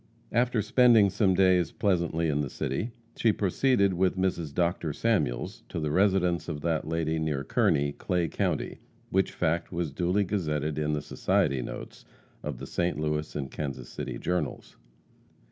After spending some days pleasantly in the city, she proceeded with Mrs. Dr. Samuels to the residence of that lady near Kearney, Clay County, which fact was duly gazetted in the society notes of the St. Louis and Kansas City journals.